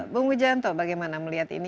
bu mujanto bagaimana melihat ini